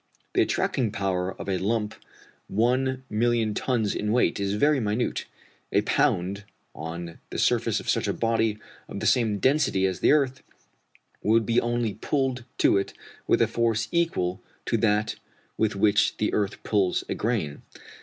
The attracting power of a lump one million tons in weight is very minute. A pound, on the surface of such a body of the same density as the earth, would be only pulled to it with a force equal to that with which the earth pulls a grain.